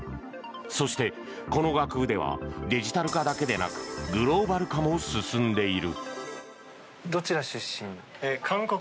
そして、この学部ではデジタル化だけでなくグローバル化も進んでいる。